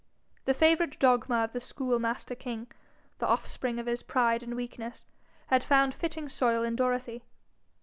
The favourite dogma of the school master king, the offspring of his pride and weakness, had found fitting soil in Dorothy.